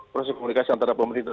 proses komunikasi antara pemerintah